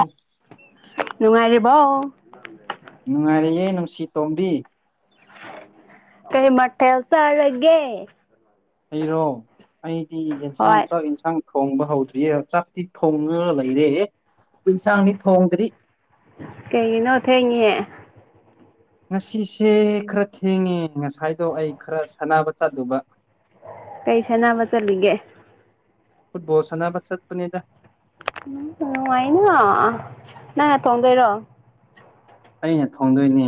ꯎ ꯅꯨꯡꯉꯥꯏꯔꯤꯕꯔꯤꯕꯣ ꯅꯨꯡꯉꯥꯏꯔꯌꯦꯦ ꯅꯨꯡꯁꯤ ꯇꯣꯝꯕꯤ ꯀꯩ ꯃꯊꯦ ꯆꯔꯦ ꯍꯔꯣ ꯑꯩꯗꯤ ꯌꯦꯟꯁꯥꯡ ꯍꯣꯏ ꯆꯥꯛ ꯌꯦꯟꯁꯥꯡ ꯊꯣꯡꯕ ꯍꯧꯗ꯭ꯔꯤꯌꯦ ꯆꯥꯛꯇꯤ ꯊꯣꯡꯉꯒ ꯂꯩꯔꯦ ꯑꯩ ꯏꯟꯁꯥꯡꯗꯤ ꯊꯣꯡꯗ꯭ꯔꯗꯤ ꯀꯩꯒꯤꯅꯣ ꯊꯦꯡꯉꯍꯦ ꯉꯁꯤꯁꯦ ꯈꯔ ꯊꯦꯡꯉꯦ ꯉꯁꯥꯏꯗꯣ ꯑꯩ ꯈꯔ ꯁꯥꯟꯅꯕ ꯆꯠꯂꯨꯕ ꯀꯩ ꯆꯅꯥ ꯃꯆꯥ ꯂꯩꯒ ꯐꯨꯠꯕꯣꯜ ꯁꯥꯟꯕ ꯆꯠ ꯄꯨꯗ ꯎ ꯅꯨꯡꯉꯥꯏꯅ ꯅꯪ ꯉ ꯊꯣꯡꯗꯣꯏꯔꯣ ꯑꯩꯅ ꯊꯣꯡꯗꯣꯏꯅꯦ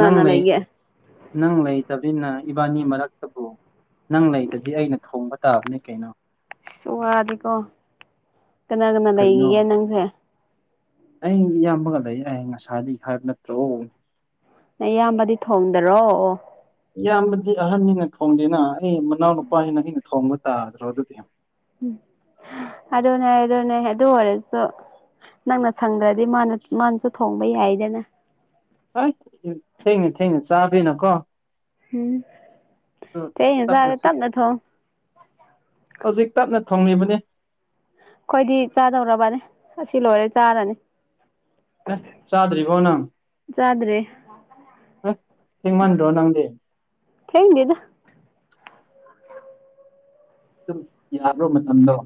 ꯅꯪ ꯂꯩ ꯂꯩꯒꯦ ꯅꯪ ꯂꯩꯇꯕꯅꯤꯅ ꯏꯕꯥꯅꯤ ꯃꯔꯛꯇꯕꯨ ꯅꯪ ꯂꯩꯗꯗꯤ ꯑꯩꯅ ꯊꯣꯡꯕ ꯇꯥꯕꯅꯦ ꯀꯩꯅꯣ ꯁ ꯋꯥꯗꯤꯀꯣ ꯀꯅꯥ ꯀꯅꯥ ꯀꯩꯅꯣ ꯂꯩꯈꯤꯒꯦ ꯅꯪꯁꯦ ꯑꯩ ꯏꯌꯥꯝꯕ ꯉꯗ ꯌꯥꯏ ꯉꯁꯥꯏꯗꯒꯤ ꯍꯥꯏꯕ ꯅꯠꯇ꯭ꯔꯣ ꯅ ꯑꯌꯥꯝꯕꯗꯤ ꯊꯣꯡꯗꯔꯣ ꯑꯣ ꯏꯌꯥꯝꯕꯗꯤ ꯑꯍꯟꯅꯤꯅ ꯊꯣꯡꯗꯦꯅ ꯑꯩ ꯃꯅꯥꯎ ꯅꯨꯄꯥꯁꯤꯅ ꯑꯩꯅ ꯊꯣꯡꯕ ꯇꯥꯗ꯭ꯔꯣ ꯑꯗꯨꯗꯤ ꯑꯗꯨꯅꯦ ꯑꯗꯨꯅꯦ ꯑꯗꯨ ꯑꯣꯏꯔꯁꯨ ꯅꯪꯅ ꯁꯪꯗ꯭ꯔꯗꯤ ꯃꯥꯅ ꯃꯥꯅꯁꯨ ꯊꯣꯡꯕ ꯌꯥꯏꯗꯅ ꯍꯣꯏ ꯊꯦꯡꯅꯦ ꯊꯦꯡꯅ ꯆꯥꯕꯅ ꯀꯣ ꯎꯝ ꯇ ꯍꯖꯔꯦ ꯇꯞꯅꯁꯨ ꯇꯕ ꯅ ꯊꯣ ꯍꯧꯖꯤꯛ ꯇꯞꯅ ꯊꯣꯡꯂꯤꯕꯅꯤ ꯑꯩꯈꯣꯏꯗꯤ ꯆꯥꯗꯧꯔꯕꯅꯦ ꯑꯁꯤ ꯂꯣꯏꯔꯦ ꯆꯥꯔꯅꯤ ꯑꯦ ꯆꯥꯗ꯭ꯔꯤꯕꯣ ꯅꯪ ꯆꯥꯗ꯭ꯔꯦ ꯍ ꯊꯦꯡ ꯃꯥꯟꯗꯣ ꯅꯪꯗꯦ ꯊꯦꯡꯗꯗ ꯑꯗꯨꯝ ꯌꯥꯕ ꯃꯇꯝꯗꯣ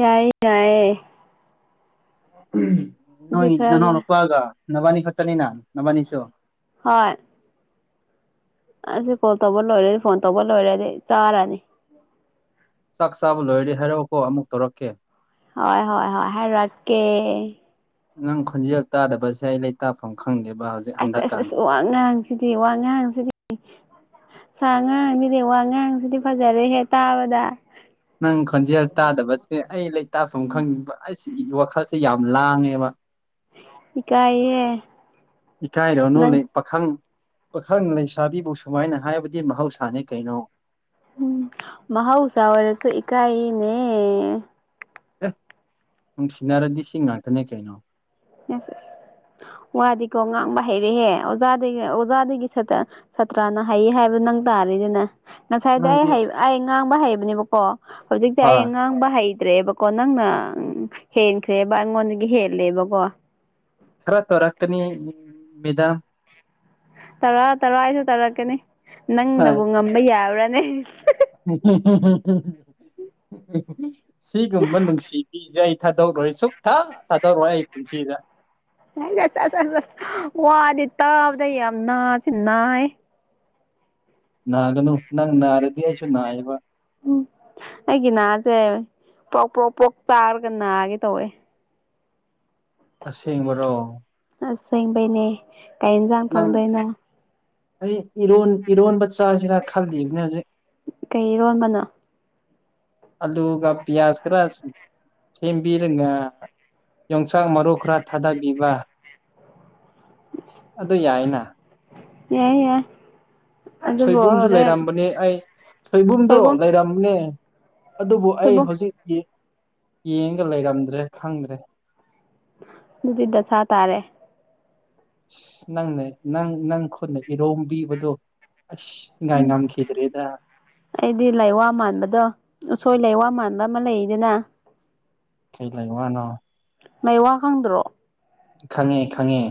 ꯌꯥꯏꯌꯦ ꯌꯥꯏꯑꯌꯦ ꯅꯣꯏ ꯍꯧꯖꯤꯛ ꯅꯅꯥꯎꯅ ꯈꯔ ꯅꯨꯄꯥꯒ ꯅꯕꯥꯅꯤ ꯈꯛꯇꯅꯤꯅ ꯅꯕꯥꯅꯤꯁꯨ ꯍꯣꯏ ꯑꯁꯤ ꯀꯣꯜ ꯇꯧꯕ ꯂꯣꯏꯔꯦꯗꯤ ꯐꯣꯟ ꯇꯧꯕ ꯂꯣꯏꯔꯦꯗꯤ ꯆꯥꯔꯅꯤ ꯆꯥꯛ ꯆꯥꯕ ꯂꯣꯏꯔꯗꯤ ꯍꯥꯏꯔꯛꯑꯣꯀꯣ ꯑꯃꯨꯛ ꯇꯧꯔꯛꯀꯦ ꯍꯣꯏ ꯍꯣꯏ ꯍꯣꯏ ꯍꯥꯏꯔꯛꯀꯦ ꯅꯪ ꯈꯨꯣꯟꯖꯦꯜ ꯇꯥꯗꯕꯁꯦ ꯑꯩ ꯂꯩꯇꯥꯛꯐꯝ ꯈꯪꯗꯦꯕ ꯍꯧꯖꯤꯛ ꯑꯁ ꯑꯁ ꯑꯁ ꯍꯟꯗꯛꯀꯥꯟꯁꯦ ꯋꯥ ꯉꯍꯥꯡꯁꯤꯗꯤ ꯋꯥ ꯉꯍꯥꯡꯁꯤꯗꯤ ꯁꯥ ꯉꯥꯡꯁꯤꯔꯦ ꯋꯥ ꯉꯥꯡꯁꯤꯗꯤ ꯐꯖꯔꯦ ꯍꯦꯛ ꯇꯥꯕꯗ ꯅꯪ ꯈꯣꯟꯖꯦꯜ ꯇꯥꯗꯕꯁꯦ ꯑꯩ ꯂꯩꯇꯥꯥꯛꯐꯝ ꯈꯪꯅꯤꯡꯕ ꯑꯁꯤꯒꯤ ꯋꯥꯈꯜꯁꯦ ꯌꯥꯝ ꯂꯥꯡꯉꯦꯕ ꯆꯀꯥꯏꯌꯦ ꯏ ꯀꯥꯏꯔꯣ ꯅꯣꯂꯤ ꯄꯥꯈꯪ ꯄꯥꯈꯪ ꯂꯩꯁꯥꯕꯤꯕꯨ ꯁꯨꯃꯥꯏꯅ ꯍꯥꯏꯕꯗꯤ ꯃꯍꯧꯁꯥꯅꯤ ꯀꯩꯅꯣ ꯎꯝ ꯃꯍꯥꯎ ꯆꯥꯔꯁꯨ ꯏꯀ ꯏꯅꯦ ꯑꯦ ꯅꯨꯡꯁꯤꯅꯔꯗꯤ ꯁꯤ ꯉꯥꯛꯇꯅꯦ ꯀꯩꯅꯣ ꯑꯁꯁ ꯋꯥꯗꯤꯀꯣ ꯉꯥꯡꯕ ꯍꯩꯔꯦꯍꯦ ꯑꯣꯖꯥꯗꯒꯤ ꯑꯣꯖꯥꯗꯒꯤ ꯁꯠꯇ ꯁꯥꯇ꯭ꯔꯥꯅ ꯍꯩ ꯍꯥꯏꯕ ꯅꯪ ꯇꯥꯔꯤꯅꯤꯅꯦ ꯉꯁꯥꯏꯗꯤ ꯑꯩ ꯅꯪꯗꯤ ꯍ ꯑꯩ ꯉꯥꯡꯕ ꯍꯩꯕꯅꯦꯕꯀꯣ ꯍꯧꯖꯤꯛꯇꯤ ꯍ ꯑꯩ ꯉꯥꯡꯕ ꯍꯩ ꯂꯩꯇ꯭ꯔꯦꯕꯀꯣ ꯅꯪꯅ ꯍꯦꯟꯈ꯭ꯔꯦꯕ ꯑꯩꯉꯣꯟꯗꯒꯤ ꯍꯦꯜꯂꯦꯕꯀꯣ ꯈꯔ ꯇꯔꯛꯀꯅꯤ ꯃꯤꯗꯥ ꯇꯔꯥ ꯇꯔꯥ ꯑꯩꯁꯨ ꯇꯥꯔꯛꯀꯅꯤ ꯅꯪꯅꯕꯨ ꯉꯝꯕ ꯌꯥꯕ꯭ꯔꯅꯤ ꯁꯤꯒꯨꯝꯝꯕꯟꯪ ꯁꯤ ꯔ ꯊꯥꯗꯣꯛꯔꯣꯏ ꯁꯨꯛ ꯊ ꯊꯥꯗꯣꯔꯔꯛꯑꯣꯣꯏ ꯑꯩ ꯄꯨꯟꯁꯤꯗ ꯠ ꯋꯥꯗꯤ ꯇꯥꯕꯗ ꯌꯥꯝ ꯅꯥꯁ ꯅꯥꯏ ꯅꯥꯒꯅꯨ ꯅꯪ ꯅꯥꯔꯗꯤ ꯑꯩꯁꯨ ꯅꯥꯏꯌꯦꯕ ꯎꯝ ꯑꯩꯒꯤ ꯅꯍꯁꯦ ꯄ꯭ꯔꯣꯛ ꯄ꯭ꯔꯣꯛ ꯄꯣꯛ ꯆꯥꯔꯒ ꯅꯥꯒꯦ ꯇꯧꯋꯦ ꯑꯁꯦꯡꯕꯔꯣ ꯑꯁ ꯁꯦꯡꯕꯩꯅꯦ ꯀꯔꯤ ꯌꯦꯟꯁꯥꯡ ꯅꯪ ꯐꯪꯗꯣꯏꯅꯣ ꯑꯩ ꯏꯔꯣꯟ ꯏꯔꯣꯟꯕ ꯆꯥꯁꯤꯔ ꯈꯜꯂꯤꯕꯅꯦ ꯍꯧꯖꯤꯛ ꯀꯩꯔꯣꯟꯕꯅꯣ ꯑꯜꯂꯨ ꯀ ꯄꯌꯥꯖ ꯈꯔꯁꯤ ꯊꯝꯕꯤ ꯂ ꯌꯣꯡꯆꯥꯛ ꯃꯔꯨ ꯈꯔ ꯊꯥꯗꯕꯤꯕ ꯑꯗꯨ ꯌꯥꯏꯅ ꯌꯥꯏ ꯑꯗꯨꯕꯨ ꯁꯣꯏꯕꯨꯝꯁꯨ ꯍꯣꯔꯦꯟ ꯂꯩꯔꯝꯕꯅꯦ ꯑꯩ ꯁꯣꯏꯕꯨꯝꯗꯣ ꯁꯣꯏꯕꯨꯝ ꯂꯩꯔꯝꯕꯅꯦ ꯑꯗꯨꯕꯨ ꯑꯩ ꯁꯣꯏꯕꯨꯝ ꯍꯧꯖꯤꯛ ꯌꯦꯡꯒ ꯂꯩꯔꯝꯗ꯭ꯔꯦ ꯈꯪꯗ꯭ꯔꯦ ꯑꯗꯨꯗꯤ ꯗꯁꯥ ꯇꯥꯔꯦ ꯅꯪꯅꯦ ꯅꯪ ꯅꯪ ꯈꯨꯠꯅ ꯏꯔꯣꯝꯕꯤꯕꯗꯣ ꯑꯁ ꯉꯥꯏ ꯎꯝ ꯉꯝ ꯈꯗꯔꯤꯦꯗ ꯑꯩꯗꯤ ꯂꯩꯋꯥ ꯃꯥꯟꯕꯗꯣ ꯎꯁꯣꯏ ꯂꯩꯋꯥ ꯃꯥꯟꯕ ꯑꯃ ꯂꯩꯗꯅ ꯀꯩ ꯂꯦ ꯋꯥ ꯅ ꯂꯩꯋꯥ ꯈꯪꯗ꯭ꯔꯣ ꯈꯪꯉꯦ ꯈꯪꯉꯦ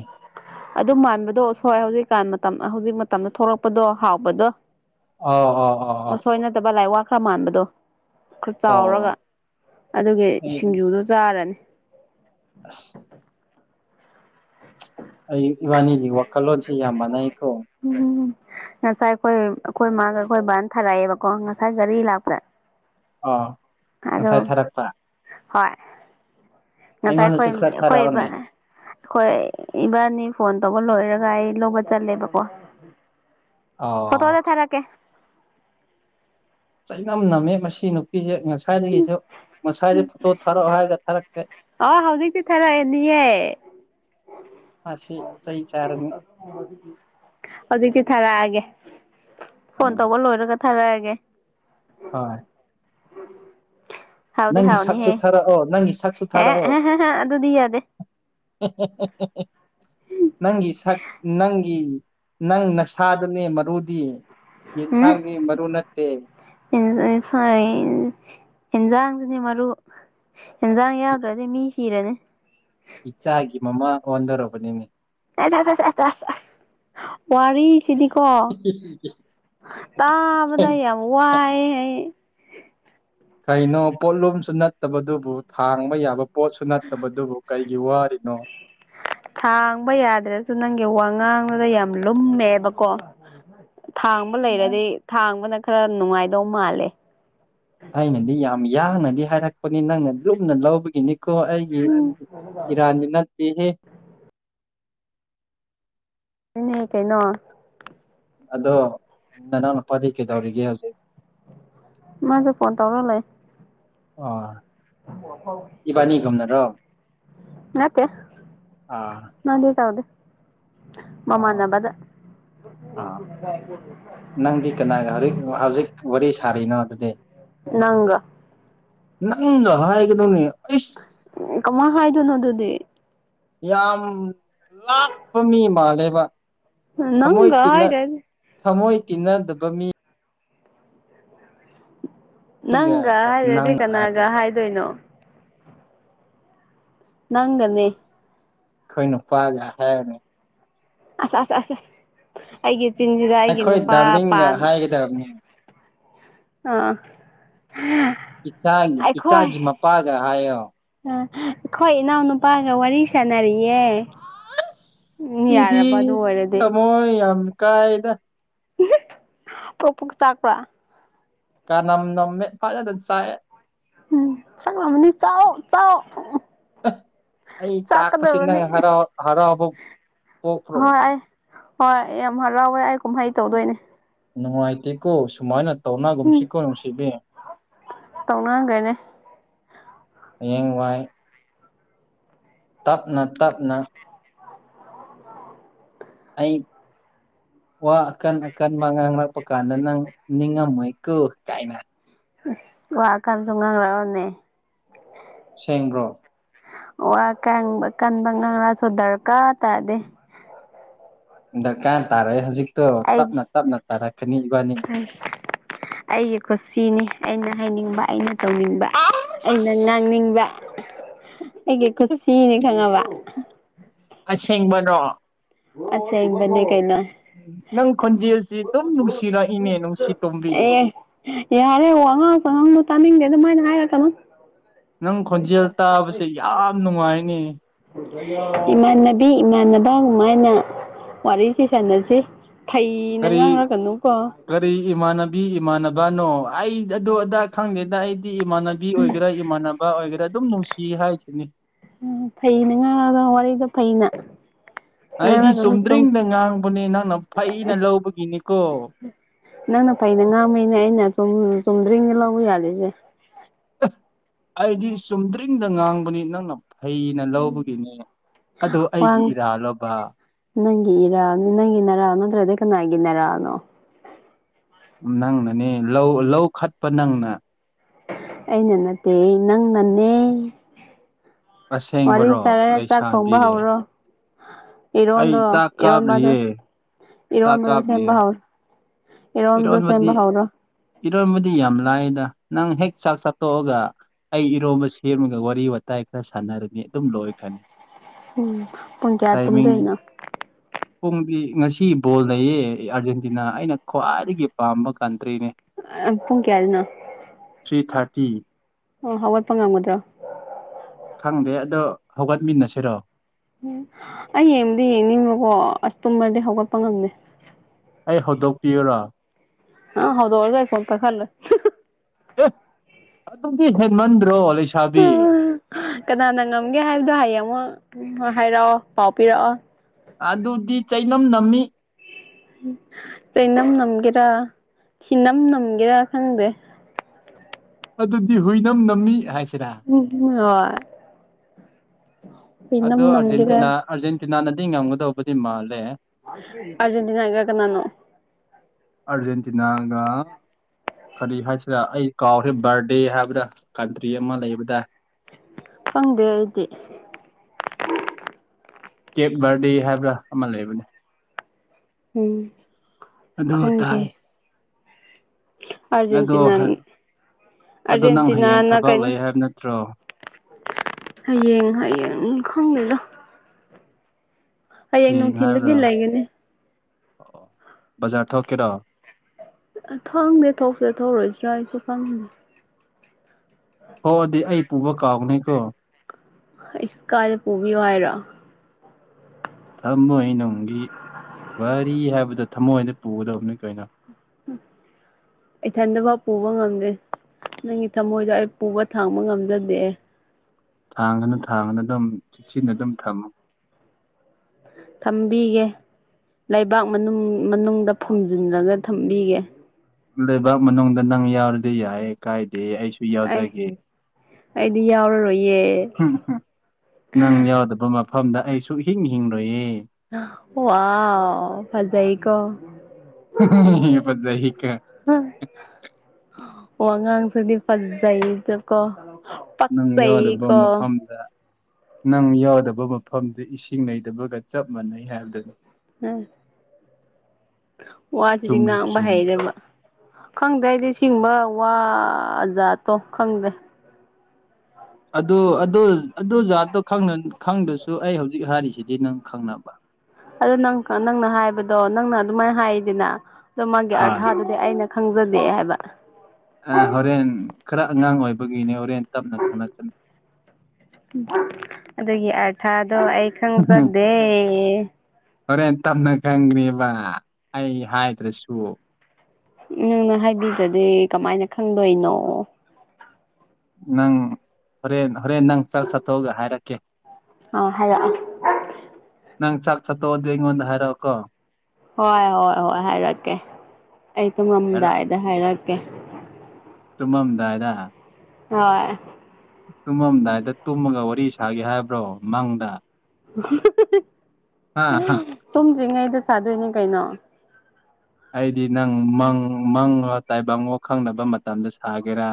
ꯑꯗꯨ ꯃꯥꯟꯕꯗꯣꯁꯣꯏ ꯍꯧꯖꯤꯛꯀꯥꯟ ꯃꯇꯝ ꯍꯧꯖꯤꯛ ꯃꯇꯝꯗ ꯊꯣꯛꯂꯛꯄꯗꯣ ꯍꯥꯎꯕꯗꯣ ꯑꯥ ꯑꯥ ꯑꯥ ꯑꯣ ꯑꯥ ꯁꯣꯏ ꯅꯗꯕ ꯂꯥꯏꯛ ꯋꯥ ꯈꯔ ꯃꯥꯟꯕꯗꯣ ꯈꯔ ꯆꯥꯎꯔꯒ ꯑꯣ ꯑꯗꯨꯒꯤ ꯑꯩ ꯁꯤꯡꯖꯨꯗꯣ ꯆꯥꯔꯅꯤ [unintelligible] ꯑꯩ ꯏꯕꯥꯅꯤꯒꯤ ꯋꯥꯈꯜꯂꯣꯟꯁꯤ ꯌꯥꯝ ꯃꯥꯟꯅꯩꯀꯣ ꯎꯝ ꯉꯁꯥꯏ ꯑꯩꯈꯣꯏ ꯑꯩꯈꯣꯏ ꯃꯥꯒ ꯑꯩꯈꯣꯏ ꯕꯥꯟ ꯊꯥꯔꯛꯑꯦꯕꯀꯣ ꯉꯁꯥꯏ ꯒꯥꯔꯤ ꯂꯥꯛꯄꯗ ꯑꯥ ꯉꯁꯥꯏ ꯊꯥꯔꯛꯄ [unintelligible] ꯍꯣꯏ ꯉꯁꯥꯏ ꯑꯩꯉꯣꯟꯗꯁꯨ ꯈꯔ ꯊꯥꯔꯛꯑꯣꯅꯦ ꯑꯩꯈꯣꯏꯕꯅꯦ ꯍꯈꯣꯏ ꯏꯕꯥꯅꯤ ꯐꯣꯟ ꯇꯧꯕ ꯂꯣꯏꯔꯒ ꯑꯩ ꯂꯧꯕ ꯆꯠꯂꯦꯕꯀꯣ [inaudible] ꯐꯣꯇꯣꯗ ꯊꯔꯛꯀꯦ ꯆꯩꯉꯝ ꯅꯝꯃꯤ ꯃꯁꯤ ꯅꯨꯄꯤꯁꯦ ꯉꯁꯥꯏꯗꯒꯤꯁꯨ ꯉꯁꯥꯏꯗ ꯐꯣꯇꯣ ꯊꯥꯔꯛꯑꯣ ꯍꯥꯏꯔꯒ ꯊꯥꯔꯛꯇꯦ ꯑ ꯍꯧꯖꯤꯛꯇꯤ ꯊꯥꯔꯛꯑꯦꯅꯤꯍꯦ ꯃꯁꯤ ꯆꯩ ꯆꯔꯅꯤ ꯍꯧꯖꯤꯛꯇꯤ ꯊꯥꯔꯛꯑꯒꯦ ꯐꯣꯟ ꯇꯧꯕ ꯂꯣꯏꯔꯒ ꯊꯥꯔꯛꯑꯒꯦ ꯍꯣꯏ ꯍꯥꯎꯗꯤ ꯅꯪꯒꯤ ꯁꯛꯁꯨ ꯍꯥꯎꯅꯤꯍꯦ ꯊꯥꯔꯛꯑꯣ ꯅꯪꯒꯤ ꯁꯛꯁꯨ ꯊꯥꯔꯛꯑꯣ ꯑꯦ ꯑꯗꯨꯗꯤ ꯌꯥꯗꯦ [unintelligible] ꯅꯪꯒꯤ ꯁꯛ ꯅꯪꯒꯤ ꯅꯪ ꯅꯁꯥꯗꯅꯦ ꯃꯔꯨꯗꯤ ꯌꯦꯟꯁꯥꯡꯒꯤ ꯃꯔꯨ ꯅꯠꯇꯦ ꯌꯦꯦꯟꯖꯥꯡꯁꯤꯅꯦ ꯃꯔꯨ ꯑꯦꯟꯖꯥꯡ ꯏꯆ- ꯌꯥꯗ꯭ꯔꯗꯤ ꯃꯤ ꯁꯤꯔꯅꯤ ꯏꯆꯥꯒꯤ ꯃꯃꯥ ꯑꯣꯟꯗꯔꯕꯅꯤꯅꯦ ꯑꯦ ꯆ ꯋꯥꯔꯤ ꯁꯤꯗꯤꯀꯣ ꯇꯥꯕꯗ ꯌꯥꯝ ꯋꯥꯏ ꯀꯩꯅꯣ ꯄꯣꯠꯂꯣꯝꯁꯨ ꯅꯠꯇꯕꯗꯨꯕꯨ ꯍꯥꯡꯕ ꯌꯥꯕ ꯄꯣꯠꯁꯨ ꯅꯠꯇꯕ ꯑꯗꯨꯕꯨ ꯀꯔꯤꯒꯤ ꯋꯥꯔꯤꯔꯤꯅꯣ ꯁꯥꯡꯕ ꯌꯥꯗ꯭ꯔꯁꯨ ꯅꯪꯒꯤ ꯋꯥꯉꯥꯡꯕꯗ ꯌꯥꯝ ꯂꯨꯝꯃꯦꯕꯀꯣ ꯊꯥꯡꯕ ꯂꯩꯔꯗꯤ ꯊꯥꯡꯕꯅ ꯈꯔ ꯅꯨꯡꯉꯥꯏꯗꯧ ꯃꯥꯜꯂꯦ ꯑꯩꯅꯗꯤ ꯌꯥꯝ ꯌꯥꯡꯅꯗꯤ ꯍꯥꯏꯔꯛꯄꯅꯤ ꯅꯪꯅ ꯂꯨꯞꯅ ꯂꯧꯕꯒꯤꯅꯤ ꯀꯣ ꯑꯩꯒꯤ ꯏꯔꯥꯗꯤ ꯅꯠꯇꯦꯍꯦ ꯑꯗꯨꯅꯦꯍ ꯀꯩꯅꯣ ꯑꯗꯣ ꯅꯅꯥꯎ ꯅꯨꯄꯥꯗꯤ ꯀꯩꯗꯧꯔꯤꯒꯦ ꯍꯧꯖꯤꯛ ꯃꯥꯁꯨ ꯐꯣꯟ ꯇꯧꯔ ꯂꯩ ꯑꯥ ꯏꯕꯥꯅꯤ ꯀꯨꯝꯅꯔꯣ ꯑ ꯅꯗꯦ ꯇꯥꯎꯗ ꯑꯥ ꯃꯃꯥꯅꯥꯕꯗ ꯑꯥ ꯅꯪꯗꯤ ꯀꯅꯥꯒ ꯍꯧꯖꯤꯛ ꯍꯧꯖꯤꯛ ꯋꯥꯔꯤ ꯁꯥꯔꯤꯅꯣ ꯑꯗꯨꯗꯤ ꯅꯪꯔ ꯅꯪ ꯍꯥꯏꯒ ꯅꯧꯅꯦ ꯏꯁ ꯀꯃ ꯍꯥꯏꯗꯨꯅꯣ ꯑꯗꯨꯗꯤ ꯌꯥꯝ ꯂꯥꯞꯄ ꯃꯤ ꯃꯥꯜꯂꯦꯕ ꯅꯪ ꯊꯃꯣꯏ ꯇꯤꯟꯅ ꯍꯥꯏꯗꯗꯤ ꯊꯃꯣꯏ ꯇꯤꯟꯅꯗꯕ ꯃꯤ ꯅꯪꯒ ꯍꯥꯏꯔꯗꯤ ꯅꯪꯅ ꯍꯥꯏꯔꯗꯤ ꯀꯅꯥꯒ ꯍꯥꯏꯗꯣꯏꯅꯣ ꯅꯪꯒꯅꯦ ꯑꯩꯈꯣꯏ ꯅꯨꯄꯥꯒ ꯍꯥꯏꯔꯅꯦ ꯑꯁ ꯑꯁ ꯑꯁ ꯑꯁ ꯑꯩꯒꯤ ꯆꯤꯟꯁꯤꯗ ꯑꯩꯒꯤ ꯑꯩꯈꯣꯏ ꯅꯨꯄꯥ ꯗꯥꯔꯂꯤꯡꯒ ꯄꯥꯟ ꯍꯥꯏꯒꯗꯕꯅꯤ ꯑꯥ ꯏꯆꯥ ꯑꯩꯈꯣꯏ ꯏꯆꯥꯒꯤ ꯃꯄꯥꯒ ꯍꯥꯏꯌꯣ ꯑ ꯑꯩꯈꯣꯏ ꯏꯅꯥꯎꯅꯨꯄꯥꯒ ꯋꯥꯔꯤ ꯁꯥꯟꯅꯔꯤꯌꯦ ꯑꯁ ꯎꯝ ꯁꯤꯗꯤ ꯌꯥꯔꯕ ꯑꯗꯨ ꯑꯣꯏꯔꯗꯤ ꯊꯃꯣꯢ ꯌꯥꯝ ꯀꯥꯏꯗ ꯄꯣꯄ꯭ꯔꯣꯛ ꯆꯥꯛꯄ꯭ꯔꯥ ꯀꯥꯅꯝ ꯅꯃꯦ ꯐꯖꯅ ꯆꯥꯛꯑꯦ ꯎꯝ ꯈꯪꯂꯃꯅꯤ ꯆꯥꯎ ꯆꯥꯎ ꯑꯩ ꯆꯥꯛꯄꯁꯤꯅ ꯆꯥꯛꯀꯗꯕꯅꯤ ꯍꯔ ꯍꯔꯥꯎꯕ ꯄꯣꯛꯄ꯭ꯔꯣ ꯍꯣꯏ ꯑꯩ ꯍꯣꯏ ꯌꯥꯝ ꯍꯔꯥꯎꯋꯦ ꯑꯩ ꯀꯨꯝꯍꯩ ꯇꯧꯗꯣꯏꯅꯦ ꯅꯨꯡꯉꯥꯏꯇꯦ ꯀꯣ ꯁꯨꯃꯥꯏꯅ ꯎꯝ ꯇꯧꯅꯥꯒꯨꯝꯁꯤꯀꯣ ꯅꯨꯡꯁꯤꯕꯤ ꯇꯧꯅꯈ꯭ꯔꯦꯅꯦ ꯍꯌꯦꯡ ꯋꯥꯏ ꯇꯞꯅ ꯇꯞꯅ ꯑꯩ ꯋꯥ ꯑꯀꯟ ꯑꯀꯟꯕ ꯉꯥꯡꯂꯛꯄ ꯀꯥꯟꯗ ꯅꯪ ꯅꯤꯡꯉꯝꯃꯣꯏ ꯀꯥꯏꯅ ꯋꯥ ꯑꯀꯟꯕ ꯉꯥꯡꯂꯛꯑꯣꯅꯦ ꯁꯦꯡꯒ꯭ꯔꯣ ꯋꯥ ꯀꯪ ꯀꯟꯕ ꯉꯪꯁꯨꯣ ꯗꯔꯀꯥ ꯇꯗꯦ ꯗꯔꯀꯥꯔ ꯇꯥꯔꯛꯑꯦ ꯍꯧꯖꯤꯛꯇꯣ ꯑꯩ ꯇꯞꯅ ꯇꯞꯅ ꯇꯥꯔꯛꯀꯅꯤ ꯏꯕꯥꯅꯤ ꯑꯩꯒꯤ ꯈꯨꯠꯁꯤꯅꯤ ꯑꯩꯅ ꯍꯥꯏꯅꯤꯡꯕ ꯑꯩꯅ ꯇꯧꯅꯤꯡ ꯑꯩꯅ ꯑꯁ ꯉꯥꯡꯅꯤꯡꯕ ꯑꯩꯒꯤ ꯀꯨꯁꯤꯅꯤ ꯈꯪꯉꯕ ꯑꯁꯦꯡꯕꯔꯣ ꯑꯁꯦꯡꯕꯅꯦ ꯀꯩꯅꯣ ꯅꯪ ꯈꯣꯟꯖꯦꯜꯁꯤ ꯑꯗꯨꯝ ꯅꯨꯡꯁꯤꯔꯛꯏꯅꯦ ꯅꯨꯡꯁꯤ ꯇꯣꯝꯕꯤ ꯑꯦ ꯌꯥꯔꯦ ꯋꯥꯉꯥꯡ ꯁꯥꯉꯥꯡꯗꫭ ꯇꯥꯅꯤꯡꯗꯦ ꯑꯗꯨꯃꯥꯏꯅ ꯍꯥꯏꯔꯛꯀꯅꯨ ꯅꯪ ꯈꯣꯟꯖꯦꯜ ꯇꯥꯕꯁꯦ ꯌꯥꯝ ꯅꯨꯡꯉꯥꯏꯅꯦ ꯏꯃꯥꯟꯅꯕꯤ ꯏꯃꯥꯟꯅꯕ ꯑꯗꯨꯃꯥꯏꯅ ꯋꯥꯔꯤꯁꯤ ꯁꯥꯟꯅꯁꯤ ꯐꯩꯅ ꯀꯔꯤ ꯉꯥꯡꯔꯛꯀꯅꯨ ꯀꯣ ꯀꯔꯤ ꯏꯃꯥꯟꯅꯕꯤ ꯏꯃꯥꯟꯅꯕꯅꯣ ꯑꯩ ꯑꯗꯨ ꯑꯗꯥ ꯈꯪꯗꯦꯗ ꯑꯩꯗꯤ ꯏꯃꯥꯟꯅꯕꯤ ꯕꯤ ꯑꯣꯏꯒꯦꯔꯥ ꯏꯃꯥꯟꯅꯕ ꯑꯣꯏꯒꯦꯔꯥ ꯑꯗꯨꯝ ꯅꯨꯡꯁꯤ ꯍꯥꯏꯁꯤꯅꯤ ꯎ ꯐꯩꯅ ꯉꯥꯒ ꯋꯥꯔꯤꯗ ꯐꯩꯅ ꯑꯩꯗꯤ ꯉꯥꯡꯔꯒꯅꯨ ꯆꯨꯝ ꯆꯨꯝꯗ꯭ꯔꯤꯡꯗ ꯉꯥꯡꯕꯅꯦ ꯅꯪꯅ ꯐꯩꯅ ꯂꯧꯕꯒꯤꯅꯤꯀꯣ ꯅꯪꯅ ꯐꯩꯅ ꯉꯥꯡꯕꯩꯅꯦ ꯑꯩꯅ ꯆꯨꯝ ꯆꯨꯝꯗ꯭ꯔꯤꯡ ꯂꯧꯕ ꯌꯥꯗꯩꯁꯦ ꯑꯩꯗꯤ ꯆꯨꯝꯗ꯭ꯔꯤꯡꯗ ꯉꯥꯡꯕꯅꯤ ꯅꯪꯅ ꯐꯩꯅ ꯂꯧꯕꯒꯤꯅꯦ ꯑꯗꯣ ꯑꯩꯒꯤ ꯋꯥ ꯏꯔꯥꯜꯂꫭꯕ ꯅꯪꯒꯤ ꯏꯔꯥꯜꯅꯤ ꯅꯪꯒꯤ ꯅꯔꯥꯟ ꯅꯥꯇ꯭ꯔꯗꯤ ꯀꯅꯥꯒꯤ ꯅꯔꯥꯟꯅꫭ ꯅꯪꯅꯅꯦ ꯂꯧ ꯂꯧ ꯈꯠꯄ ꯅꯪꯅ ꯑꯩꯅ ꯅꯠꯇꯦ ꯅꯪꯅꯅꯦ ꯋꯥꯔꯤ ꯑꯁꯦꯡꯕꯔꯣ ꯁꯥꯔꯦ ꯆꯥꯛ ꯊꯣꯡꯕ ꯂꯩꯁꯥꯕꯤ ꯍꯧꯔꯣ ꯑꯩ ꯏꯔꯣꯟꯗꯣ ꯆꯥꯛ ꯏꯔꯣꯟꯕꯗꯣ ꯀꯥꯞꯂꯤꯌꯦ ꯆꯥꯛ ꯏꯔꯣꯟꯕꯗꫭ ꯀꯥꯞꯂꯤꯌꯦ ꯁꯦꯝꯕ ꯍꯧ꯭ꯔ ꯏꯔꫭꯟꯕꯗꫭ ꯁꯦꯝꯕ ꯏꯔꯣꯟꯕꯗꯤ ꯍꯧꯔꯣ ꯏꯔꯣꯟꯕꯗꯤ ꯌꯥꯝ ꯂꯥꯏꯗ ꯅꯪ ꯍꯦꯛ ꯆꯥꯛ ꯆꯥ ꯇꯣꯛꯑꯒ ꯑꯩ ꯏꯔꯣꯝꯕ ꯁꯦꯝꯃꯒ ꯋꯥꯔꯤ ꯋꯥꯇꯥꯏ ꯈꯔ ꯁꯥꯟꯅꯔꯗꯤ ꯑꯗꯨꯝ ꯂꯣꯏꯈ꯭ꯔꯅꯤ ꯎꯝ ꯄꯨꯡ ꯀꯌꯥ ꯇꯨꯝꯗꯣꯏꯅꯣ ꯄꯣꯡꯗꯤ ꯉꯁꯤ ꯕꯣꯜ ꯂꯩꯌꯦ ꯑꯥꯔꯖꯦꯟꯇꯤꯅꯥ ꯑꯩꯅ ꯈ꯭ꯋꯥꯏꯗꯒꯤ ꯄꯥꯝꯕ ꯀꯟꯇ꯭ꯔꯤꯅꯦ ꯄꯨꯡ ꯀꯌꯥꯗꯅꫭ ꯊ꯭ꯔꯤ ꯊꯥꯔꯇꯤ ꯑꯣ ꯍꯧꯒꯠꯄ ꯉꯝꯒꯗ꯭ꯔꯣ ꯈꯪꯗꯦ ꯑꯗꯣ ꯍꯧꯒꯠꯃꯤꯟꯅꯁꯤꯔꯣ ꯎꯝ ꯑꯩ ꯌꯦꯡꯕꯗꯤ ꯌꯦꯡꯅꯤꯡꯕꯀꯣ ꯑꯁ ꯇꯨꯝꯃꯗꯤ ꯍꯧꯒꯠꯄ ꯉꯝꯗꯦ ꯑꯩ ꯍꯧꯗꯣꯛꯄꯤꯌꯔꯣ ꯑ ꯍꯧꯗꫭꯛꯑꯔꫭꯏ ꯐꫭꯟ ꯀꯛꯍꯟꯂꯦ ꯑꯦ ꯑꯗꯨꯗꯤ ꯍꯦꯟꯃꯟꯗ꯭ꯔꯣ ꯂꯩꯁꯥꯕꯤ ꯀꯅꯥꯅ ꯉꯝꯒꯦ ꯍꯥꯏꯕꯗꯣ ꯍꯌꯦꯡ ꯑꯃꯨꯛ ꯍꯥꯏꯔꯛꯑꯣ ꯄꯥꯎ ꯄꯤꯔꯛꯑꯣ ꯑꯗꯨꯗꯤ ꯆꯩꯅꯝ ꯅꯝꯃꯤ ꯆꯩꯅꯝ ꯅꯝꯒꯦꯔꯥ ꯊꯤꯅꯝ ꯅꯝꯒꯦꯔꯥ ꯈꯪꯗꯦ ꯑꯗꯨꯗꯤ ꯍꯨꯏꯅꯝ ꯅꯝꯃꯤ ꯍꯥꯏꯁꯤꯔ ꯎꯝ ꯍꫭꯏ ꯍꯨꯏꯅꯝ ꯑꯗꯣ ꯅꯝꯒꯔꯥ ꯑꯥꯔꯖꯦꯟꯇꯤꯅꯥ ꯑꯥꯔꯖꯦꯟꯇꯤꯅꯥꯅꯗꯤ ꯉꯝꯒꯗꯧꯕꯗꯤ ꯃꯥꯜꯂꯦ ꯑꯔꯖꯦꯟꯇꯅꯥꯒ ꯀꯅꯅꯨ ꯑꯔꯖꯦꯟꯇꯤꯅꯥꯒ ꯀꯔꯤ ꯍꯥꯏꯁꯤꯗ ꯑꯩ ꯀꯥꯎꯈ꯭ꯔꯦ ꯕꯥꯔꯗꯦ ꯍꯥꯏꯕꯗ ꯀꯟꯇ꯭ꯔꯤ ꯑꯃ ꯂꯩꯕꯗꯥꯏ ꯗꯪꯗꯦ ꯑꯩꯗꯤ ꯀꯦꯞ ꯕꯥꯔꯗꯦ ꯍꯥꯏꯕ꯭ꯔꯥ ꯑꯃ ꯂꯩꯕꯅꯦ ꯎꯝ ꯑꯗꯨꯈꯛꯇ ꯈꯪꯗꯦ ꯍꯥꯏ ꯑꯗꯣ ꯑꯥꯔꯖꯦꯟꯇꯤꯅꯥ ꯑꯗꯣ ꯅꯪ ꯍꯌꯦꯡ ꯑꯥꯔꯖꯦꯟꯇꯤꯅꯥꯅ ꯊꯕꯛ ꯀꯩꯅꯣ ꯂꯩ ꯍꯥꯏꯕ ꯅꯠꯇ꯭ꯔꯣ ꯍꯌꯦꯡ ꯍꯌꯦꯡ ꯈꯪꯗꯦꯗ ꯍꯌꯦꯡ ꯅꯨꯡꯊꯤꯟꯗꯗꯤ ꯍꯥꯏꯕ꯭ꯔꯥ ꯂꯩꯒꯅꯤ ꯑꯣ ꯕꯖꯥꯔ ꯊꯣꯛꯀꯦꯔꯣ ꯑ ꯈꯪꯗꯦ ꯊꯣꯛꯁꯦ ꯊꯧꯔꯣꯏꯗ꯭ꯔꯥ ꯑꯩꯁꯨ ꯈꯪꯗꯦ ꯍꯣ ꯑꯗꯨꯗꯤ ꯑꯩ ꯄꯨꯕ ꯀꯥꯎꯅꯤꯀꯣ ꯑꯩ ꯀꯥꯏꯗ ꯄꯨꯕꯤꯌꯨ ꯍꯥꯏꯔꯣ ꯊꯝꯃꯣꯏ ꯅꯨꯡꯒꯤ ꯋꯥꯔꯤ ꯍꯥꯏꯕꯗꫭ ꯊꯝꯃꯣꯏꯗ ꯄꯨꯒꯗꯕꯅꯤ ꯀꯩꯅꯣ ꯃ ꯏꯊꯟꯗꯐꯥꯎ ꯄꯨꯕ ꯉꯝꯗꯦ ꯅꯪꯒꯤ ꯊꯃꯣꯏꯗꯣ ꯑꯩ ꯄꯨꯕ ꯊꯥꯡꯕ ꯉꯝꯖꯗꯦ ꯊꯥꯡꯒꯅ ꯊꯥꯡꯉꯅ ꯑꯗꯨꯝ ꯆꯦꯛꯁꯤꯟꯅ ꯑꯗꯨꯝ ꯊꯝꯃꯨ ꯊꯝꯕꯤꯒꯦ ꯂꯩꯕꯥꯛ ꯃꯅꯨꯡ ꯃꯅꯨꯡꯗ ꯐꯨꯝꯖꯤꯜꯂꯒ ꯊꯝꯕꯤꯒꯦ ꯂꯩꯕꯥꯛ ꯃꯅꯨꯡꯗ ꯅꯪ ꯌꯥꯎꯔꯗꯤ ꯌꯥꯏ ꯀꯥꯏꯗꯦ ꯑꯩꯁꯨ ꯁꯨ ꯑꯩ ꯌꯥꯎꯖꯒꯦ ꯑꯩꯗꯤ ꯌꯥꯎꯔꯔꯣꯏꯌꯦ ꯅꯪ ꯌꯥꯎꯗꯕ ꯃꯐꯝꯗ ꯑꯩꯁꯨ ꯍꯤꯡ ꯍꯤꯡꯡꯂꯣꯏꯌꯦ ꯋꯥꯎ ꯐꯖꯥꯏꯀꯣ ꯍ ꯄꯠꯖ ꯍ ꯀ ꯍꯥ ꯋꯥꯉꯥꯡꯁꯨꯗꯤ ꯐꯖꯩꯗꯀꯣ ꯅꯪ ꯌꯥꯎꯗꯕ ꯄꯛꯆꯩꯀꯣ ꯃꯐꯝꯗ ꯅꯪ ꯌꯥꯎꯗꯕ ꯃꯐꯝꯗ ꯏꯁꯤꯡ ꯅꯩꯗꯕꯒ ꯆꯞ ꯃꯥꯟꯅꯩ ꯍꯥꯏꯕꯗꯨꯅꯤ ꯎꯝ ꯋꯥꯁꯤꯗꯤ ꯆꯨꯝꯕꯨ ꯉꯥꯡꯕ ꯆꯨꯝꯗ꯭ꯔꯣ ꯍꯩꯗꯕ ꯈꯪꯗꯦ ꯑꯩꯗꯤ ꯁꯤꯡꯕ ꯋꯥꯖꯥꯠꯇꯣ ꯈꯪꯗꯦ ꯑꯗꯨ ꯑꯗꯨ ꯑꯗꯨ ꯖꯥꯠꯇꯣ ꯈꯪꯗ꯭ꯔꯁꯨ ꯑꯩ ꯍꯧꯖꯤꯛ ꯍꯥꯏꯔꯤꯁꯤꯗꯤ ꯅꯪ ꯈꯪꯅꯕ ꯑꯪ ꯅꯪꯅ ꯍꯥꯏꯕꯗꯣ ꯅꯪꯅ ꯑꯗꯨꯃꯥꯏꯅ ꯍꯥꯏꯔꯤꯗꯅ ꯑꯗꯣ ꯃꯥꯒꯤ ꯍꯥ ꯑꯥꯔꯊꯥ ꯗꯤ ꯑꯩꯅ ꯈꯪꯖꯗꯦ ꯍꯥꯏꯕ ꯑ ꯍꯣꯔꯦꯟ ꯈꯔ ꯑꯉꯥꯡ ꯑꯣꯏꯕꯒꯤꯅꯦ ꯍꯣꯔꯦꯟ ꯇꯞꯅ ꯈꯪꯅ ꯑꯗꯨꯒꯤ ꯑꯔꯊꯥꯗꯣ ꯑꯩ ꯈꯪꯕꯗꯦ ꯍꯣꯔꯦꯟ ꯇꯝꯅ ꯈꯪꯈ꯭ꯦꯕ ꯑꯩ ꯍꯥꯏꯗ꯭ꯔꯁꯨ ꯅꯪꯅ ꯍꯥꯏꯕꯤꯔꯗꯤꯦ ꯀꯃꯥꯏꯅ ꯈꯪꯗꯣꯏꯅꯣ ꯅꯪ ꯍꯣꯔꯦꯟ ꯍꯣꯔꯦꯟ ꯅꯪ ꯆꯠ ꯆꯠꯊꯣꯛꯑꯒ ꯍꯥꯏꯔꯛꯀꯦ ꯑꯥ ꯍꯥꯏꯜꯂꯛꯑꯣ ꯅꯪ ꯆꯥꯛ ꯆꯠꯇꯣꯛꯑꯗꯤ ꯑꯩꯉꯣꯟꯗ ꯍꯥꯏꯔꯛꯑꯣ ꯀꯣ ꯍꯣꯏ ꯍꯣꯏ ꯍꯣꯏ ꯍꯥꯏꯔꯛꯀꯦ ꯑꯩ ꯇꯨꯡꯉꯝꯗꯥꯏꯗ ꯍꯥꯏꯔꯛꯀꯦ ꯇꯨꯃꯝꯗꯥꯏꯗ ꯍꯣꯏ ꯇꯨꯝꯃꯝꯗꯥꯏꯗ ꯇꯨꯝꯃꯒ ꯋꯥꯔꯤ ꯁꯥꯒꯦ ꯍꯥꯏꯕ꯭ꯔꯣ ꯃꯪꯗ ꯍꯥ ꯇꯨꯝꯗ꯭ꯔꯤꯉꯩꯗ ꯆꯥꯗꯣꯏꯅꯦ ꯀꯩꯅꯣ ꯑꯩꯗꯤ ꯅꯪꯪ ꯃꯪꯉꯣ ꯇꯥꯏꯕꯪꯉꯣ ꯈꯪꯅꯕ ꯃꯇꯝꯗ ꯁꯥꯒꯦꯔꯥ